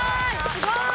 すごい！